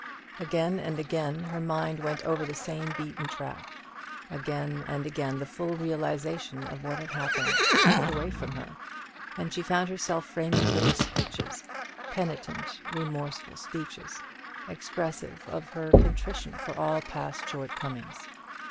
Again and again her mind went over the same beaten track; again and again the full realization of what had happened slipped away from her, and she found herself framing little speeches penitent, remorseful speeches expressive of her contrition for all past shortcomings.